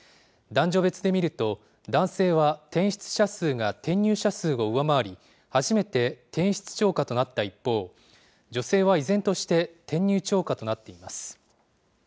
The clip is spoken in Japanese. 男女別で見ると、男性は転出者数が転入者数を上回り、初めて転出超過となった一方、女性は依然として転入超過となっています。